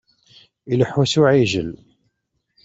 Ileḥḥu s uɛijel.